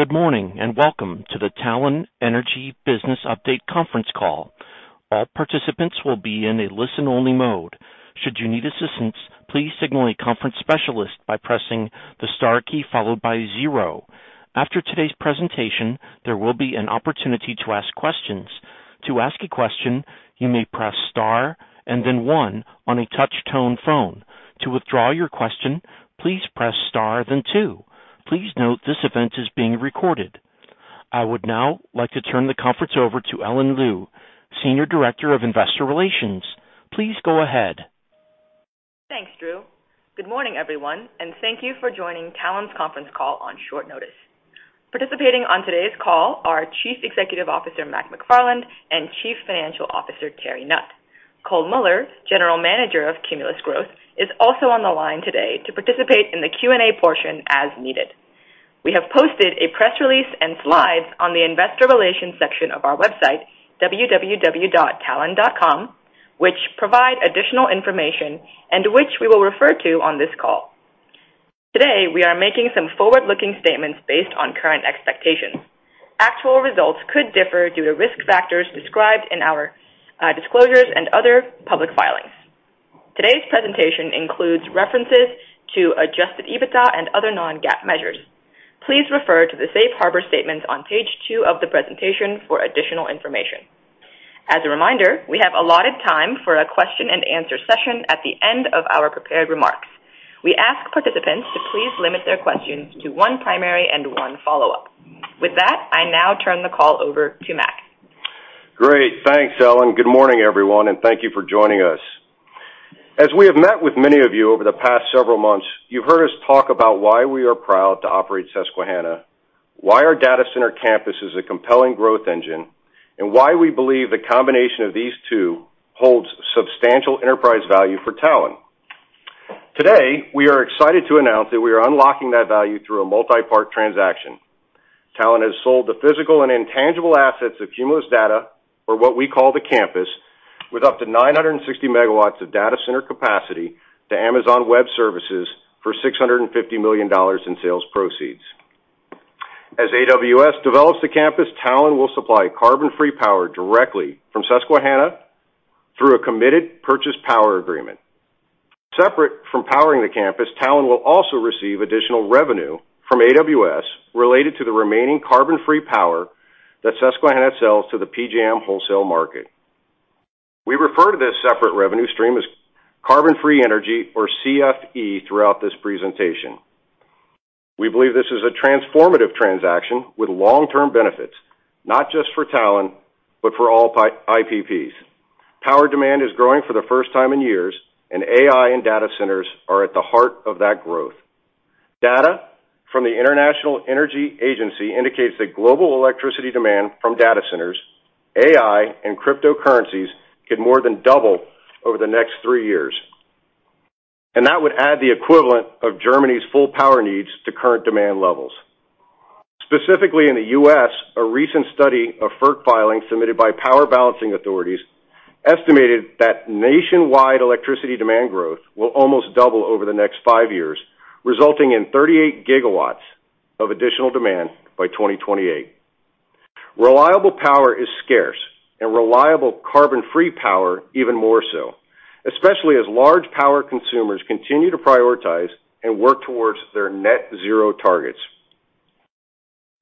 Good morning, and welcome to the Talen Energy Business Update conference call. All participants will be in a listen-only mode. Should you need assistance, please signal a conference specialist by pressing the star key followed by zero. After today's presentation, there will be an opportunity to ask questions. To ask a question, you may press Star and then one on a touch-tone phone. To withdraw your question, please press Star, then two. Please note this event is being recorded. I would now like to turn the conference over to Ellen Liu, Senior Director of Investor Relations. Please go ahead. Thanks, Drew. Good morning, everyone, and thank you for joining Talen's conference call on short notice. Participating on today's call are Chief Executive Officer, Mac McFarland, and Chief Financial Officer, Terry Nutt. Cole Muller, General Manager of Cumulus Growth, is also on the line today to participate in the Q&A portion as needed. We have posted a press release and slides on the investor relations section of our website, www.talen.com, which provide additional information and which we will refer to on this call. Today, we are making some forward-looking statements based on current expectations. Actual results could differ due to risk factors described in our disclosures and other public filings. Today's presentation includes references to Adjusted EBITDA and other non-GAAP measures. Please refer to the safe harbor statement on page two of the presentation for additional information. As a reminder, we have allotted time for a question-and-answer session at the end of our prepared remarks. We ask participants to please limit their questions to one primary and one follow-up. With that, I now turn the call over to Mac. Great. Thanks, Ellen. Good morning, everyone, and thank you for joining us. As we have met with many of you over the past several months, you've heard us talk about why we are proud to operate Susquehanna, why our data center campus is a compelling growth engine, and why we believe the combination of these two holds substantial enterprise value for Talen. Today, we are excited to announce that we are unlocking that value through a multi-part transaction. Talen has sold the physical and intangible assets of Cumulus Data, or what we call the campus, with up to 960 MW of data center capacity to Amazon Web Services for $650 million in sales proceeds. As AWS develops the campus, Talen will supply carbon-free power directly from Susquehanna through a committed power purchase agreement. Separate from powering the campus, Talen will also receive additional revenue from AWS related to the remaining carbon-free power that Susquehanna sells to the PJM wholesale market. We refer to this separate revenue stream as carbon-free energy or CFE throughout this presentation. We believe this is a transformative transaction with long-term benefits, not just for Talen, but for all IPPs. Power demand is growing for the first time in years, and AI and data centers are at the heart of that growth. Data from the International Energy Agency indicates that global electricity demand from data centers, AI, and cryptocurrencies could more than double over the next three years, and that would add the equivalent of Germany's full power needs to current demand levels. Specifically, in the U.S., a recent study of FERC filings submitted by power balancing authorities estimated that nationwide electricity demand growth will almost double over the next 5 years, resulting in 38 GW of additional demand by 2028. Reliable power is scarce, and reliable carbon-free power even more so, especially as large power consumers continue to prioritize and work towards their net zero targets.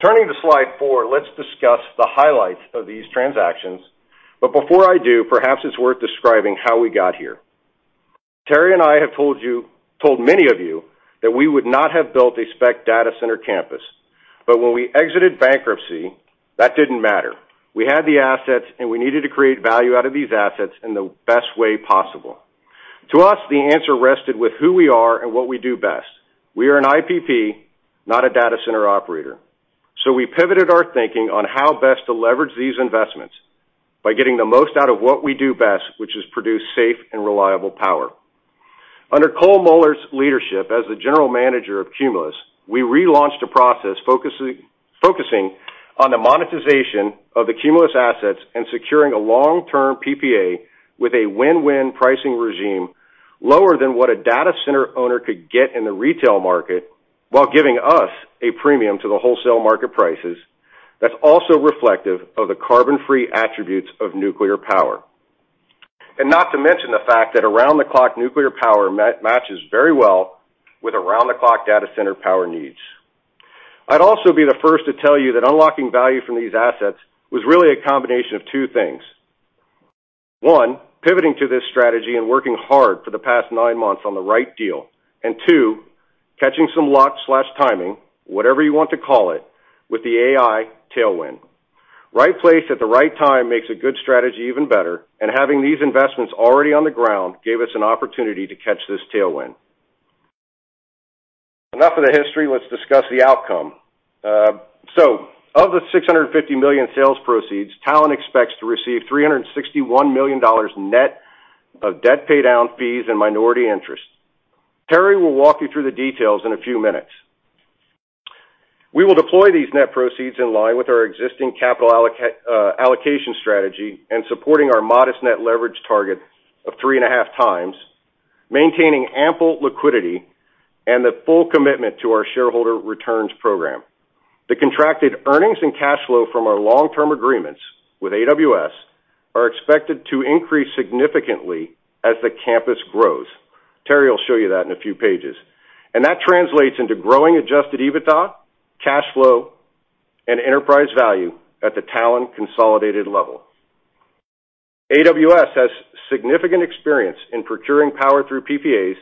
Turning to slide four, let's discuss the highlights of these transactions, but before I do, perhaps it's worth describing how we got here. Terry and I have told you, told many of you that we would not have built a spec data center campus, but when we exited bankruptcy, that didn't matter. We had the assets, and we needed to create value out of these assets in the best way possible. To us, the answer rested with who we are and what we do best. We are an IPP, not a data center operator. So we pivoted our thinking on how best to leverage these investments by getting the most out of what we do best, which is produce safe and reliable power. Under Cole Muller's leadership as the general manager of Cumulus, we relaunched a process focusing on the monetization of the Cumulus assets and securing a long-term PPA with a win-win pricing regime lower than what a data center owner could get in the retail market, while giving us a premium to the wholesale market prices that's also reflective of the carbon-free attributes of nuclear power. And not to mention the fact that around-the-clock nuclear power matches very well with around-the-clock data center power needs. I'd also be the first to tell you that unlocking value from these assets was really a combination of two things. One, pivoting to this strategy and working hard for the past nine months on the right deal, and two, catching some luck / timing, whatever you want to call it, with the AI tailwind. Right place at the right time makes a good strategy even better, and having these investments already on the ground gave us an opportunity to catch this tailwind. Enough of the history, let's discuss the outcome. So of the $650 million sales proceeds, Talen expects to receive $361 million net of debt paydown fees and minority interests. Terry will walk you through the details in a few minutes. We will deploy these net proceeds in line with our existing capital allocation strategy and supporting our modest net leverage target of 3.5x. Maintaining ample liquidity and the full commitment to our shareholder returns program. The contracted earnings and cash flow from our long-term agreements with AWS are expected to increase significantly as the campus grows. Terry will show you that in a few pages. That translates into growing Adjusted EBITDA, cash flow, and enterprise value at the Talen consolidated level. AWS has significant experience in procuring power through PPAs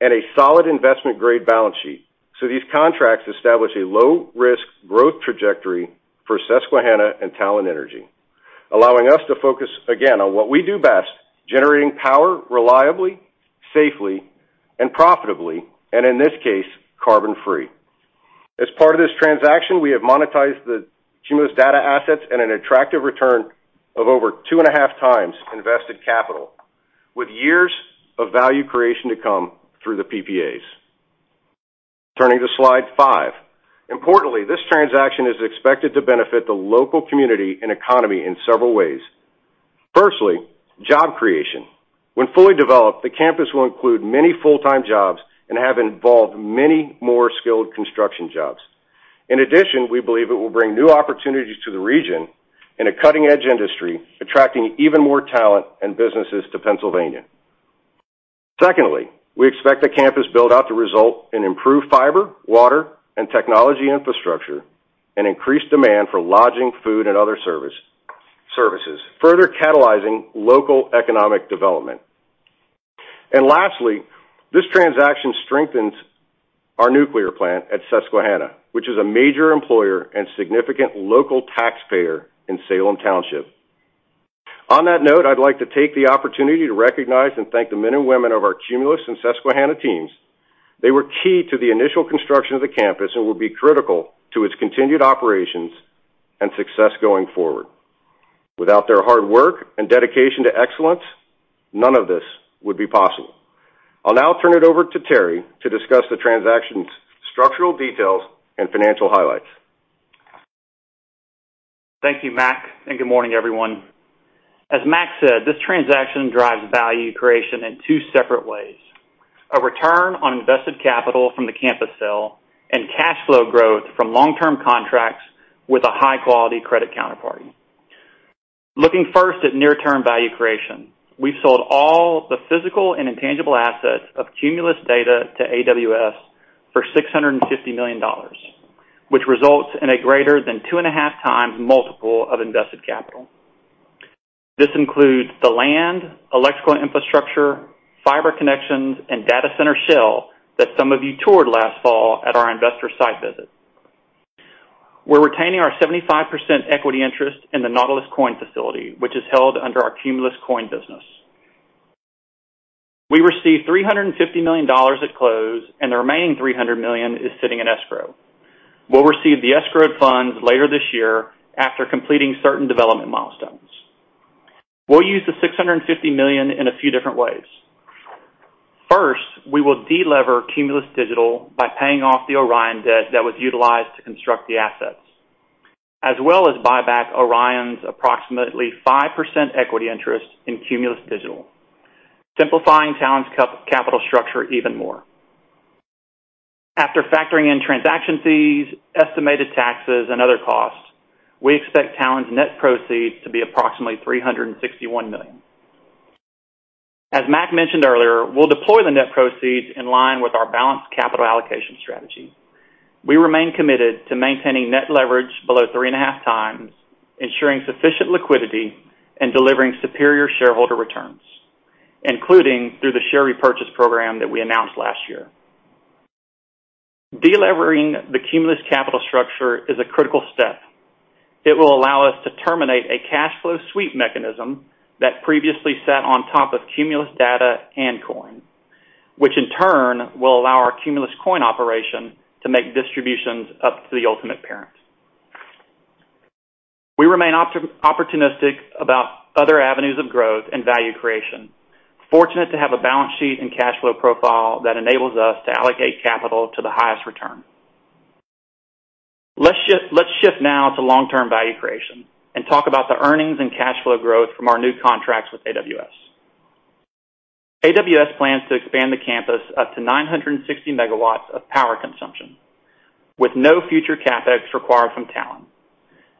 and a solid investment-grade balance sheet, so these contracts establish a low-risk growth trajectory for Susquehanna and Talen Energy, allowing us to focus again on what we do best, generating power reliably, safely, and profitably, and in this case, carbon-free. As part of this transaction, we have monetized the Cumulus data assets at an attractive return of over 2.5 times invested capital, with years of value creation to come through the PPAs. Turning to Slide 5. Importantly, this transaction is expected to benefit the local community and economy in several ways. Firstly, job creation. When fully developed, the campus will include many full-time jobs and have involved many more skilled construction jobs. In addition, we believe it will bring new opportunities to the region in a cutting-edge industry, attracting even more talent and businesses to Pennsylvania. Secondly, we expect the campus build-out to result in improved fiber, water, and technology infrastructure, and increased demand for lodging, food, and other services, further catalyzing local economic development. And lastly, this transaction strengthens our nuclear plant at Susquehanna, which is a major employer and significant local taxpayer in Salem Township. On that note, I'd like to take the opportunity to recognize and thank the men and women of our Cumulus and Susquehanna teams. They were key to the initial construction of the campus and will be critical to its continued operations and success going forward. Without their hard work and dedication to excellence, none of this would be possible. I'll now turn it over to Terry to discuss the transaction's structural details and financial highlights. Thank you, Mac, and good morning, everyone. As Mac said, this transaction drives value creation in two separate ways: a return on invested capital from the campus sale and cash flow growth from long-term contracts with a high-quality credit counterparty. Looking first at near-term value creation, we've sold all the physical and intangible assets of Cumulus Data to AWS for $650 million, which results in a greater than 2.5x multiple of invested capital. This includes the land, electrical infrastructure, fiber connections, and data center shell that some of you toured last fall at our investor site visit. We're retaining our 75% equity interest in the Nautilus Coin facility, which is held under our Cumulus Coin business. We received $350 million at close, and the remaining $300 million is sitting in escrow. We'll receive the escrowed funds later this year after completing certain development milestones. We'll use the $650 million in a few different ways. First, we will de-lever Cumulus Digital by paying off the Orion debt that was utilized to construct the assets, as well as buy back Orion's approximately 5% equity interest in Cumulus Digital, simplifying Talen's capital structure even more. After factoring in transaction fees, estimated taxes, and other costs, we expect Talen's net proceeds to be approximately $361 million. As Mac mentioned earlier, we'll deploy the net proceeds in line with our balanced capital allocation strategy. We remain committed to maintaining net leverage below 3.5x, ensuring sufficient liquidity and delivering superior shareholder returns, including through the share repurchase program that we announced last year. De-levering the Cumulus capital structure is a critical step. It will allow us to terminate a cash flow sweep mechanism that previously sat on top of Cumulus Data and Coin, which in turn, will allow our Cumulus Coin operation to make distributions up to the ultimate parent. We remain opportunistic about other avenues of growth and value creation, fortunate to have a balance sheet and cash flow profile that enables us to allocate capital to the highest return. Let's shift, let's shift now to long-term value creation and talk about the earnings and cash flow growth from our new contracts with AWS. AWS plans to expand the campus up to 960 MW of power consumption, with no future CapEx required from Talen.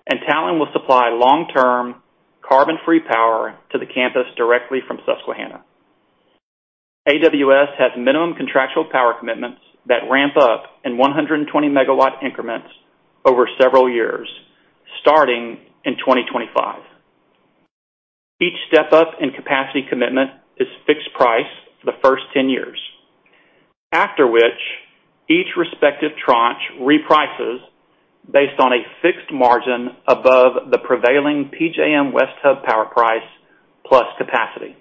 And Talen will supply long-term, carbon-free power to the campus directly from Susquehanna. AWS has minimum contractual power commitments that ramp up in 120-MW increments over several years, starting in 2025. Each step-up in capacity commitment is fixed price for the first 10 years, after which each respective tranche reprices based on a fixed margin above the prevailing PJM West Hub power price plus capacity.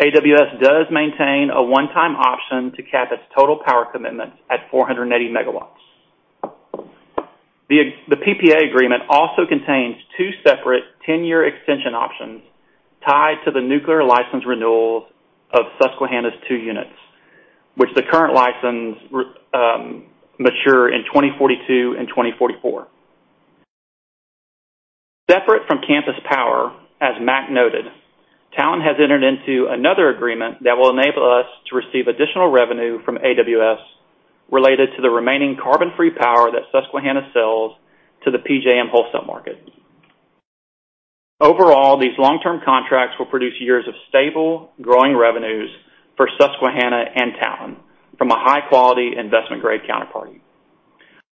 AWS does maintain a one-time option to cap its total power commitments at 480 MW. The PPA agreement also contains two separate 10-year extension options tied to the nuclear license renewals of Susquehanna's two units, which the current licenses mature in 2042 and 2044. From campus power, as Mac noted, Talen has entered into another agreement that will enable us to receive additional revenue from AWS related to the remaining carbon-free power that Susquehanna sells to the PJM wholesale market. Overall, these long-term contracts will produce years of stable, growing revenues for Susquehanna and Talen from a high-quality investment-grade counterparty.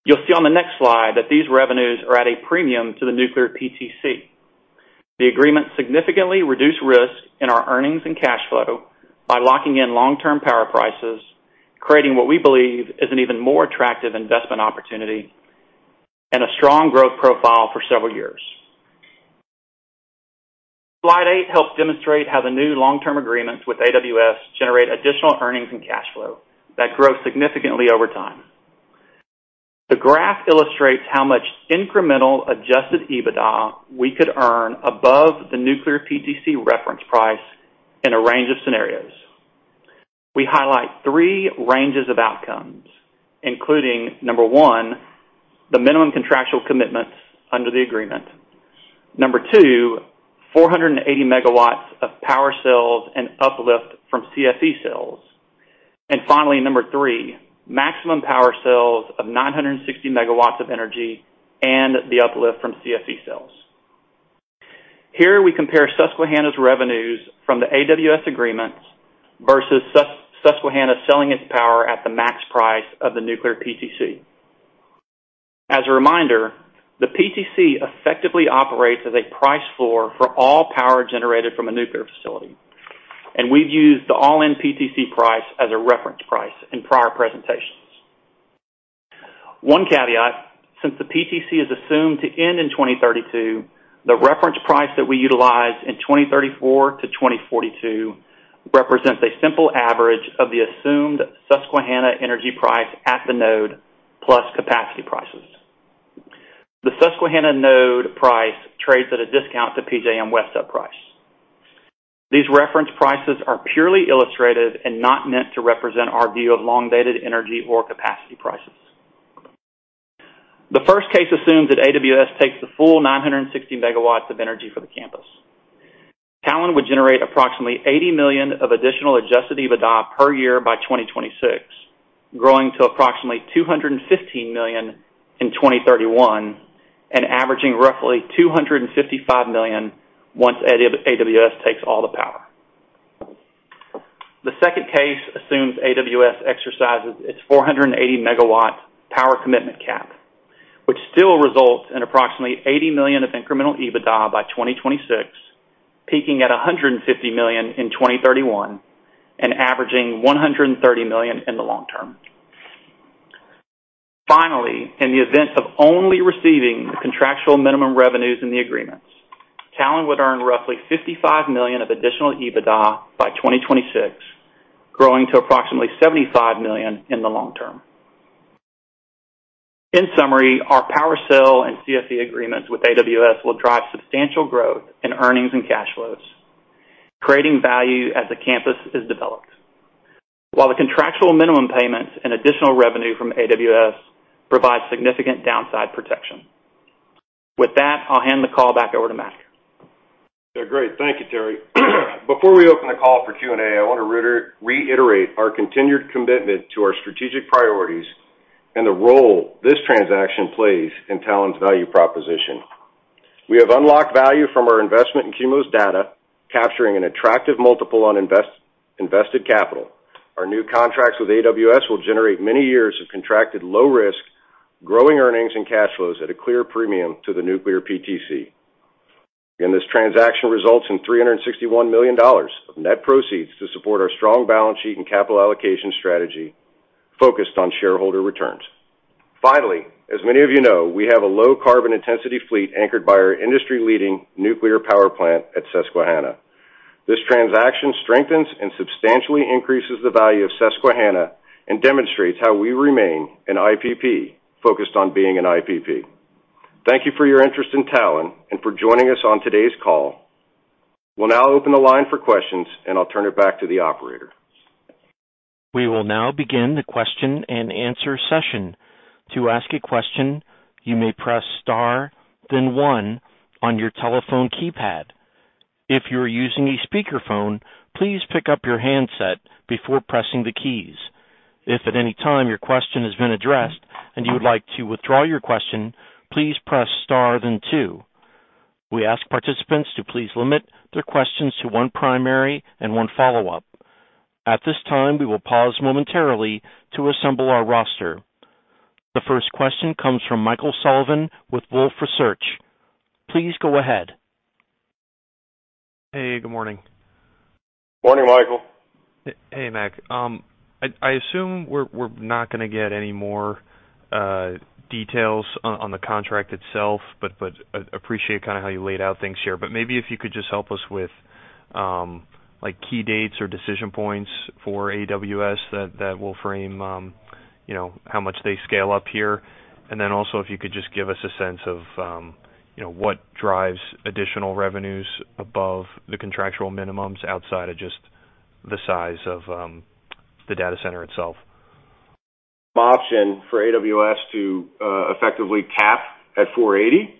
You'll see on the next slide that these revenues are at a premium to the Nuclear PTC. The agreement significantly reduced risk in our earnings and cash flow by locking in long-term power prices, creating what we believe is an even more attractive investment opportunity and a strong growth profile for several years. Slide eight helps demonstrate how the new long-term agreements with AWS generate additional earnings and cash flow that grow significantly over time. The graph illustrates how much incremental Adjusted EBITDA we could earn above the Nuclear PTC reference price in a range of scenarios. We highlight three ranges of outcomes, including, number one, the minimum contractual commitments under the agreement, number two, 480 MW of power cells and uplift from CFE sales, and finally, number three, maximum power sales of 960 MW of energy and the uplift from CFE sales. Here, we compare Susquehanna's revenues from the AWS agreements versus Susquehanna selling its power at the max price of the nuclear PTC. As a reminder, the PTC effectively operates as a price floor for all power generated from a nuclear facility, and we've used the all-in PTC price as a reference price in prior presentations. One caveat, since the PTC is assumed to end in 2032, the reference price that we utilize in 2034 to 2042 represents a simple average of the assumed Susquehanna energy price at the node, plus capacity prices. The Susquehanna node price trades at a discount to PJM West Hub price. These reference prices are purely illustrated and not meant to represent our view of long-dated energy or capacity prices. The first case assumes that AWS takes the full 960 MW of energy for the campus. Talen would generate approximately $80 million of additional Adjusted EBITDA per year by 2026, growing to approximately $215 million in 2031, and averaging roughly $255 million once AWS takes all the power. The second case assumes AWS exercises its 480 MW power commitment cap, which still results in approximately $80 million of incremental EBITDA by 2026, peaking at $150 million in 2031 and averaging $130 million in the long term. Finally, in the event of only receiving the contractual minimum revenues in the agreements, Talen would earn roughly $55 million of additional EBITDA by 2026, growing to approximately $75 million in the long term. In summary, our PPA and CFE agreements with AWS will drive substantial growth in earnings and cash flows, creating value as the campus is developed. While the contractual minimum payments and additional revenue from AWS provide significant downside protection. With that, I'll hand the call back over to Mac. Yeah, great. Thank you, Terry. Before we open the call for Q&A, I want to reiterate our continued commitment to our strategic priorities and the role this transaction plays in Talen's value proposition. We have unlocked value from our investment in Cumulus Data, capturing an attractive multiple on invested capital. Our new contracts with AWS will generate many years of contracted low risk, growing earnings and cash flows at a clear premium to the nuclear PTC. And this transaction results in $361 million of net proceeds to support our strong balance sheet and capital allocation strategy focused on shareholder returns. Finally, as many of you know, we have a low carbon intensity fleet anchored by our industry-leading nuclear power plant at Susquehanna. This transaction strengthens and substantially increases the value of Susquehanna and demonstrates how we remain an IPP focused on being an IPP. Thank you for your interest in Talen and for joining us on today's call. We'll now open the line for questions, and I'll turn it back to the operator. We will now begin the question and answer session. To ask a question, you may press star, then one on your telephone keypad. If you're using a speakerphone, please pick up your handset before pressing the keys. If at any time your question has been addressed and you would like to withdraw your question, please press star, then two. We ask participants to please limit their questions to one primary and one follow-up. At this time, we will pause momentarily to assemble our roster. The first question comes from Michael Sullivan with Wolfe Research. Please go ahead. Hey, good morning. Morning, Michael. Hey, Mac. I assume we're not gonna get any more details on the contract itself, but appreciate kind of how you laid out things here. But maybe if you could just help us with like key dates or decision points for AWS that will frame you know how much they scale up here. And then also, if you could just give us a sense of you know what drives additional revenues above the contractual minimums outside of just the size of the data center itself? Option for AWS to effectively cap at 480. And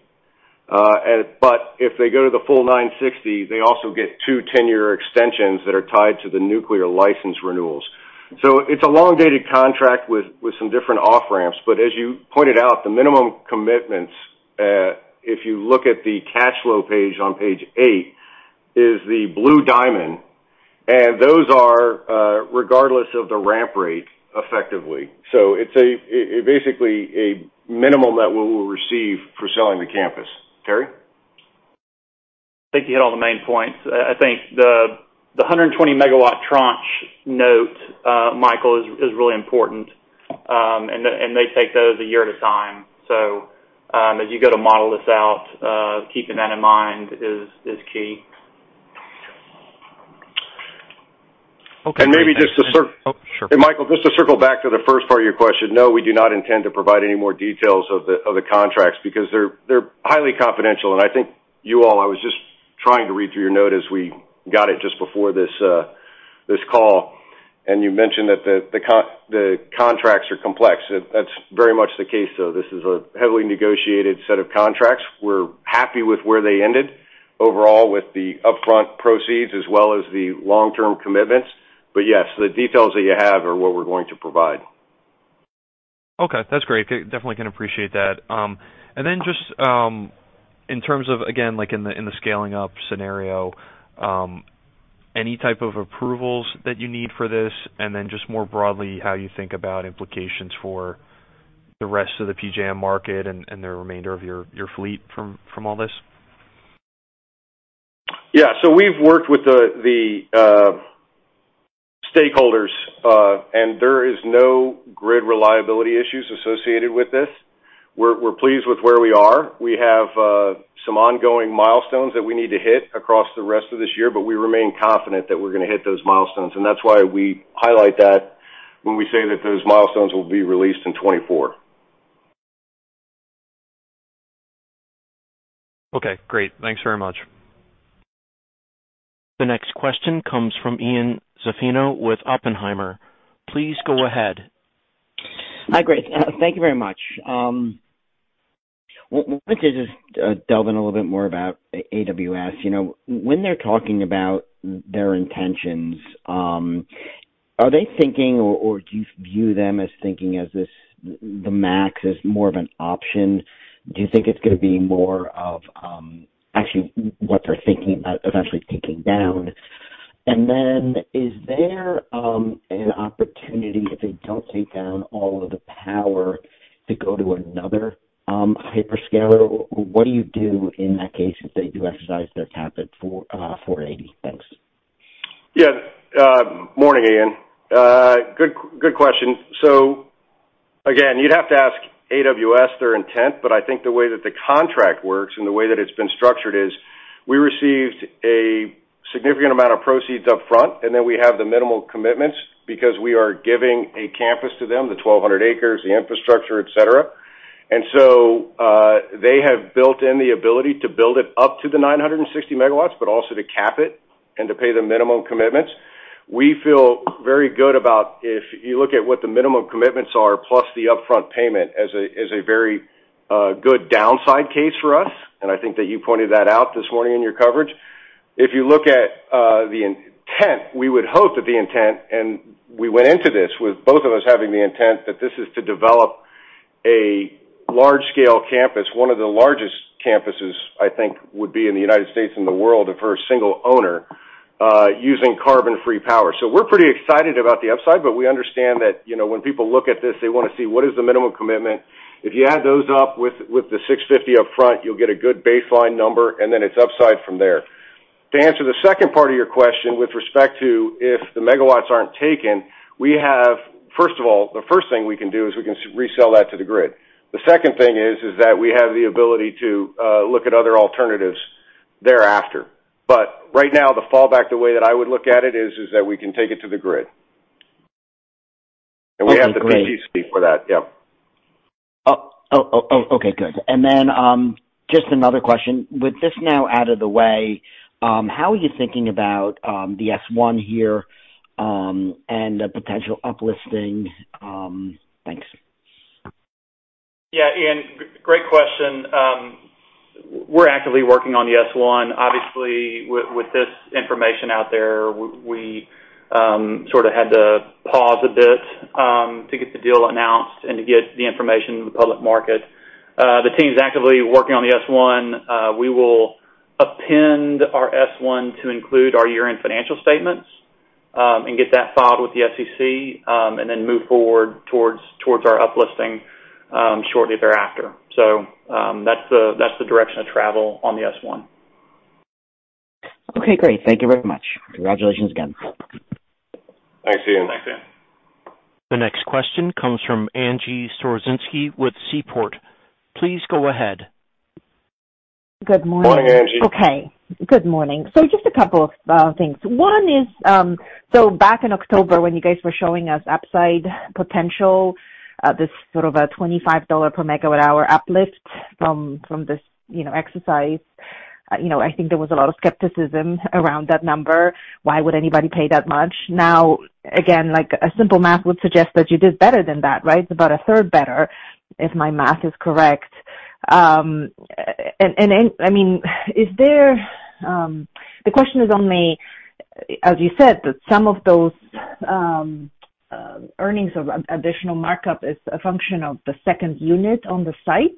but if they go to the full 960, they also get two 10-year extensions that are tied to the nuclear license renewals. So it's a long-dated contract with some different off-ramps. But as you pointed out, the minimum commitments, if you look at the cash flow page on page eight, is the blue diamond, and those are regardless of the ramp rate, effectively. So it's basically a minimum that we will receive for selling the campus. Terry? I think you hit all the main points. I think the 120 MW tranche note, Michael, is really important. They take those a year at a time. As you go to model this out, keeping that in mind is key. Okay. And maybe just to circle Oh, sure. Michael, just to circle back to the first part of your question, no, we do not intend to provide any more details of the contracts because they're highly confidential, and I think you all, I was just trying to read through your note as we got it just before this call, and you mentioned that the contracts are complex. That's very much the case, though. This is a heavily negotiated set of contracts. We're happy with where they ended overall, with the upfront proceeds as well as the long-term commitments. But yes, the details that you have are what we're going to provide. Okay, that's great. Definitely can appreciate that. And then just, in terms of, again, like in the scaling up scenario, any type of approvals that you need for this? And then just more broadly, how you think about implications for the rest of the PJM market and the remainder of your fleet from all this? Yeah, so we've worked with the stakeholders, and there is no grid reliability issues associated with this. We're pleased with where we are. We have some ongoing milestones that we need to hit across the rest of this year, but we remain confident that we're going to hit those milestones, and that's why we highlight that when we say that those milestones will be released in 2024. Okay, great. Thanks very much. The next question comes from Ian Zaffino with Oppenheimer. Please go ahead. Hi, great. Thank you very much. Wanted to just delve in a little bit more about AWS. You know, when they're talking about their intentions, are they thinking or do you view them as thinking as this, the max, as more of an option? Do you think it's going to be more of actually what they're thinking about, eventually taking down? And then, is there an opportunity if they don't take down all of the power to go to another hyperscaler? What do you do in that case if they do exercise their cap at 480? Thanks. Yeah. Morning, Ian. Good, good question. So again, you'd have to ask AWS their intent, but I think the way that the contract works and the way that it's been structured is, we received a significant amount of proceeds up front, and then we have the minimal commitments because we are giving a campus to them, the 1,200 acres, the infrastructure, et cetera. And so, they have built in the ability to build it up to the 960 MW, but also to cap it and to pay the minimum commitments. We feel very good about if you look at what the minimum commitments are, plus the upfront payment as a, as a very, good downside case for us, and I think that you pointed that out this morning in your coverage. If you look at the intent, we would hope that the intent, and we went into this with both of us having the intent, that this is to develop a large-scale campus, one of the largest campuses, I think, would be in the United States and the world for a single owner, using carbon-free power. So we're pretty excited about the upside, but we understand that, you know, when people look at this, they want to see what is the minimum commitment. If you add those up with the $650 million upfront, you'll get a good baseline number, and then it's upside from there. To answer the second part of your question, with respect to if the megawatts aren't taken, we have first of all, the first thing we can do is we can resell that to the grid. The second thing is that we have the ability to look at other alternatives thereafter. But right now, the fallback, the way that I would look at it is that we can take it to the grid. Okay, great. We have the capacity for that. Yeah. Okay, good. And then, just another question: With this now out of the way, how are you thinking about the S-1 here, and a potential uplisting? Thanks. Yeah, Ian, great question. We're actively working on the S-1. Obviously, with this information out there, we sort of had to pause a bit to get the deal announced and to get the information to the public market. The team's actively working on the S-1. We will append our S-1 to include our year-end financial statements and get that filed with the SEC and then move forward towards our uplisting shortly thereafter. So, that's the direction of travel on the S-1. Okay, great. Thank you very much. Congratulations again. Thanks, Ian. Thanks, Ian. The next question comes from Angie Storozynski with Seaport. Please go ahead. Good morning. Morning, Angie. Okay, good morning. So just a couple of things. One is, so back in October, when you guys were showing us upside potential, this sort of a $25 per MWh uplift from this, you know, uh, you know, I think there was a lot of skepticism around that number. Why would anybody pay that much? Now, again, like, a simple math would suggest that you did better than that, right? About a third better, if my math is correct. And, and I mean, is there. The question is on the, as you said, that some of those earnings of an additional markup is a function of the second unit on the site.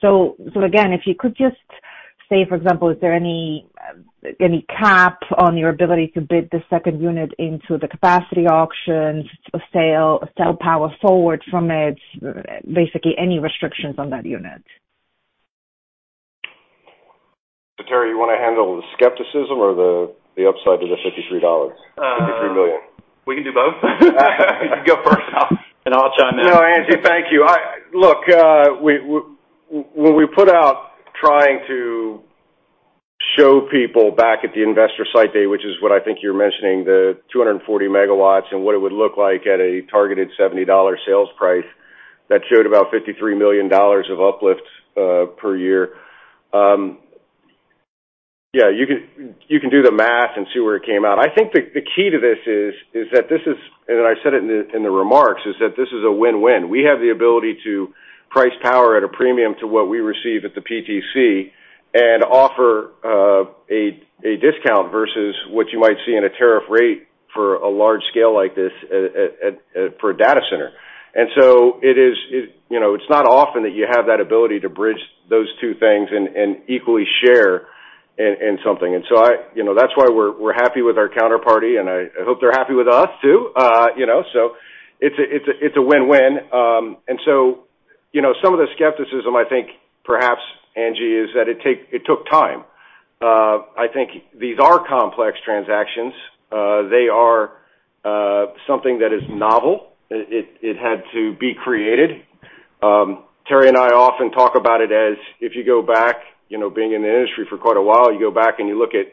So, so again, if you could just say, for example, is there any, any cap on your ability to bid the second unit into the capacity auctions or sale, sell power forward from it, basically, any restrictions on that unit? So Terry, you want to handle the skepticism or the upside to the $53, $53 million? We can do both. You can go first, and I'll chime in. No, Angie, thank you. I look, we when we put out trying to show people back at the investor site day, which is what I think you're mentioning, the 240 megawatts and what it would look like at a targeted $70 sales price, that showed about $53 million of uplifts per year. Yeah, you can, you can do the math and see where it came out. I think the key to this is that this is, and I said it in the remarks, is that this is a win-win. We have the ability to price power at a premium to what we receive at the PTC and offer a discount versus what you might see in a tariff rate for a large scale like this for a data center. And so it is. You know, it's not often that you have that ability to bridge those two things and equally share in something. And so you know, that's why we're happy with our counterparty, and I hope they're happy with us too. You know, so it's a win-win. And so, you know, some of the skepticism, I think, perhaps, Angie, is that it took time. I think these are complex transactions. They are something that is novel. It had to be created. Terry and I often talk about it as if you go back, you know, being in the industry for quite a while, you go back and you look at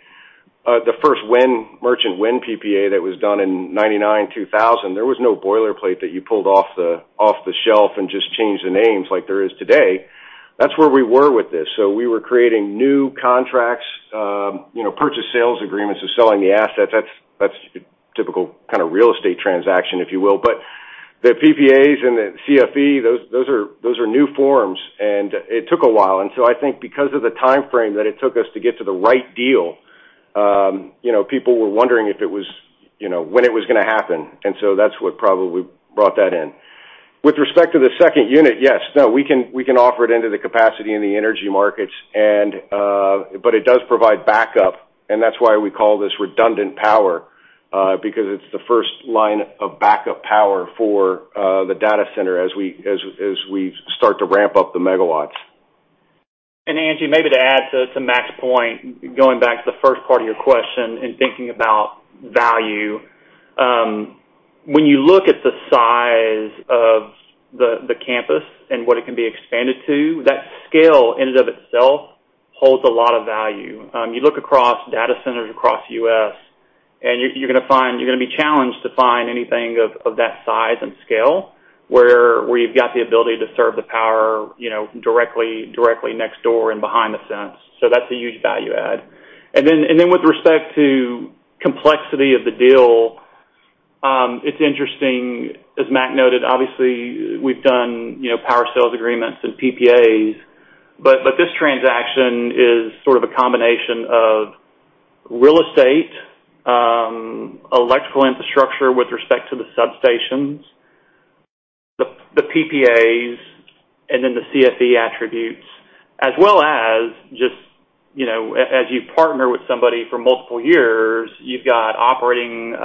the first wind merchant wind PPA that was done in 1999, 2000, there was no boilerplate that you pulled off the, off the shelf and just changed the names like there is today. That's where we were with this. So we were creating new contracts, you know, purchase sales agreements of selling the assets. That's, that's typical kind of real estate transaction, if you will. But the PPAs and the CFE, those, those are, those are new forms, and it took a while. And so I think because of the timeframe that it took us to get to the right deal, you know, people were wondering if it was, you know, when it was going to happen, and so that's what probably brought that in. With respect to the second unit, yes, no, we can, we can offer it into the capacity in the energy markets, and but it does provide backup, and that's why we call this redundant power, because it's the first line of backup power for the data center as we start to ramp up the megawatts. Angie, maybe to add to Mac's point, going back to the first part of your question and thinking about value, when you look at the size of the campus and what it can be expanded to, that scale in and of itself holds a lot of value. You look across data centers across the U.S., and you're gonna be challenged to find anything of that size and scale, where you've got the ability to serve the power, you know, directly next door and behind the fence. So that's a huge value add. With respect to complexity of the deal, it's interesting, as Mac noted, obviously, we've done, you know, power sales agreements and PPAs, but this transaction is sort of a combination of real estate, electrical infrastructure with respect to the substations, the PPAs, and then the CFE attributes, as well as just, you know, as you partner with somebody for multiple years, you've got operating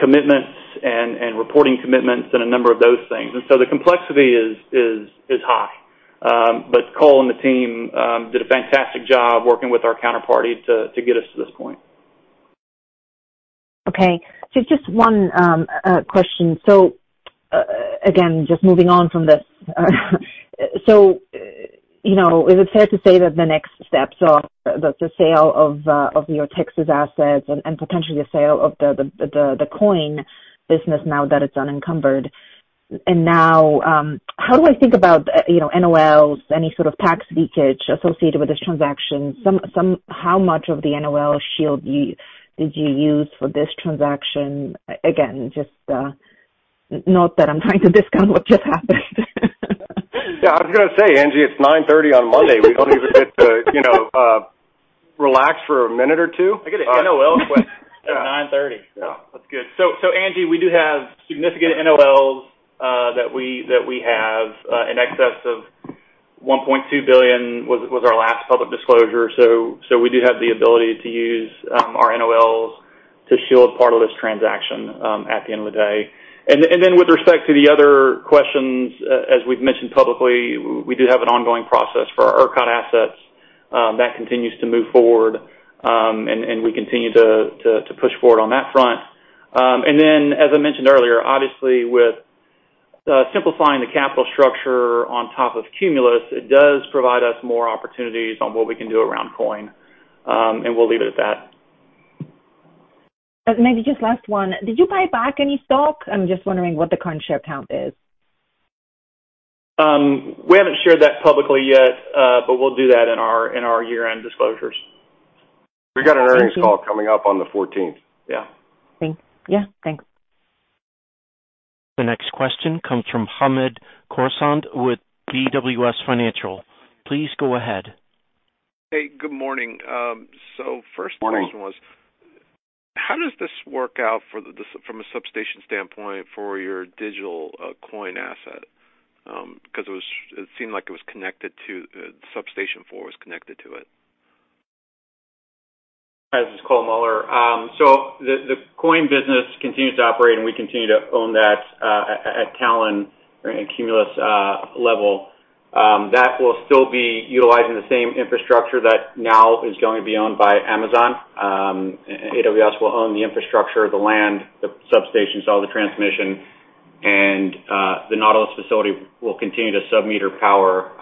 commitments and reporting commitments and a number of those things. So the complexity is high. But Cole and the team did a fantastic job working with our counterparty to get us to this point. Okay. So just one question. So, again, just moving on from this. So, you know, is it fair to say that the next steps are the sale of your Texas assets and potentially the sale of the coin business now that it's unencumbered? And now, how do I think about, you know, NOLs, any sort of tax leakage associated with this transaction? Some, how much of the NOL shield did you use for this transaction? Again, just, not that I'm trying to discount what just happened. Yeah, I was gonna say, Angie, it's 9:30 A.M. on Monday. We don't even get to, you know, relax for a minute or two? I get an NOL question at 9:30 A.M. Yeah. That's good. So, Angie, we do have significant NOLs that we have in excess of $1.2 billion was our last public disclosure. So we do have the ability to use our NOLs to shield part of this transaction at the end of the day. And then with respect to the other questions, as we've mentioned publicly, we do have an ongoing process for our ERCOT assets that continues to move forward, and we continue to push forward on that front. And then, as I mentioned earlier, obviously, with simplifying the capital structure on top of Cumulus, it does provide us more opportunities on what we can do around coin, and we'll leave it at that Maybe just last one, did you buy back any stock? I'm just wondering what the current share count is. We haven't shared that publicly yet, but we'll do that in our year-end disclosures. Thank you. We've got an earnings call coming up on the fourteenth. Yeah. Yeah, thanks. The next question comes from Hamid Khorsand with BWS Financial. Please go ahead. Hey, good morning. So first- Morning. question was, how does this work out for the, from a substation standpoint for your digital coin asset? Because it was—it seemed like it was connected to, substation four was connected to it. Hi, this is Cole Muller. So the coin business continues to operate, and we continue to own that, at Talen and Cumulus level. That will still be utilizing the same infrastructure that now is going to be owned by Amazon. AWS will own the infrastructure, the land, the substations, all the transmission, and the Nautilus facility will continue to submeter power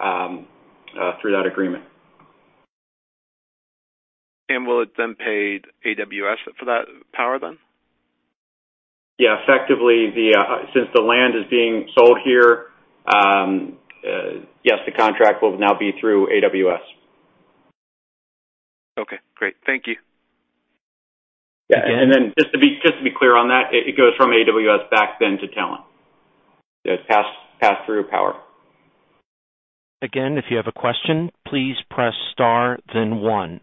through that agreement. Will it then pay AWS for that power then? Yeah, effectively, since the land is being sold here, yes, the contract will now be through AWS. Okay, great. Thank you. Yeah, and then just to be clear on that, it goes from AWS back then to Talen. It's pass-through power. Again, if you have a question, please press star then one.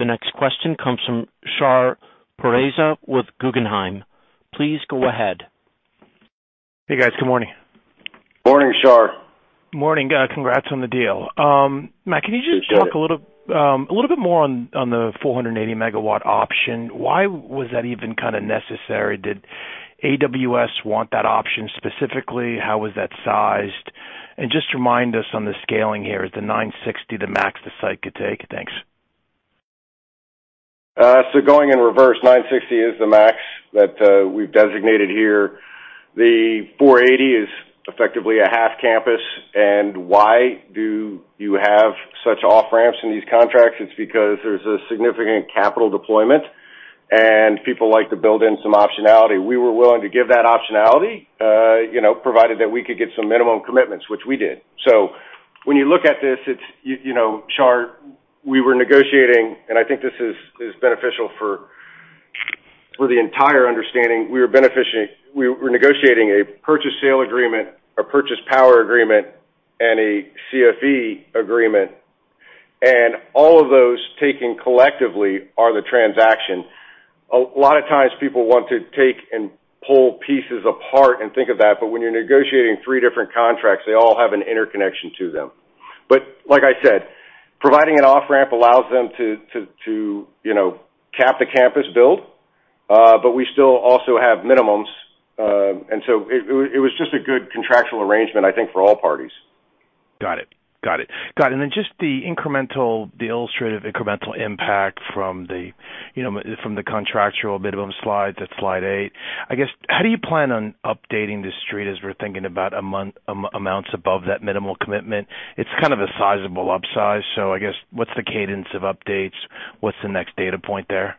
The next question comes from Shar Pourreza with Guggenheim. Please go ahead. Hey, guys. Good morning. Morning, Shar. Morning. Congrats on the deal. Mac- Thanks, Shar. Can you just talk a little, a little bit more on the 480-MW option? Why was that even kind of necessary? Did AWS want that option specifically? How was that sized? And just remind us on the scaling here, is the 960 the max the site could take? Thanks. So going in reverse, 960 is the max that we've designated here. The 480 is effectively a half campus. And why do you have such off-ramps in these contracts? It's because there's a significant capital deployment, and people like to build in some optionality. We were willing to give that optionality, you know, provided that we could get some minimum commitments, which we did. So when you look at this, it's you know, Shar, we were negotiating, and I think this is beneficial for the entire understanding. We were benefiting, we were negotiating a purchase sale agreement, a purchase power agreement, and a CFE agreement, and all of those, taken collectively, are the transaction. A lot of times people want to take and pull pieces apart and think of that, but when you're negotiating three different contracts, they all have an interconnection to them. But like I said, providing an off-ramp allows them to you know cap the campus build, but we still also have minimums, and so it was just a good contractual arrangement, I think, for all parties. Got it. Got it. Got it, and then just the incremental, the illustrative incremental impact from the, you know, from the contractual minimum slides, that's slide 8. I guess, how do you plan on updating the street as we're thinking about among amounts above that minimal commitment? It's kind of a sizable upsize, so I guess, what's the cadence of updates? What's the next data point there?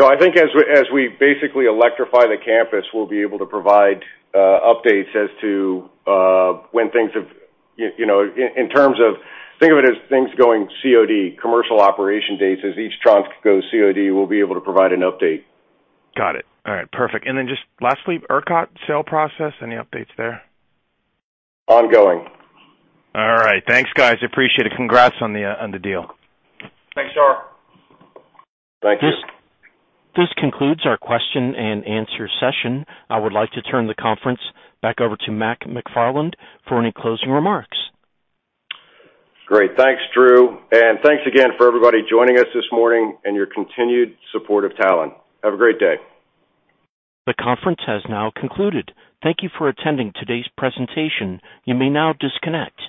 So I think as we basically electrify the campus, we'll be able to provide updates as to when things have... You know, in terms of, think of it as things going COD, commercial operation dates. As each tranche goes COD, we'll be able to provide an update. Got it. All right, perfect. And then just lastly, ERCOT sale process, any updates there? Ongoing. All right. Thanks, guys. Appreciate it. Congrats on the deal. Thanks, Shar. Thank you. This concludes our question and answer session. I would like to turn the conference back over to Mac McFarland for any closing remarks. Great. Thanks, Drew, and thanks again for everybody joining us this morning and your continued support of Talen. Have a great day. The conference has now concluded. Thank you for attending today's presentation. You may now disconnect.